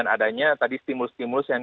karena kita cukup agar memang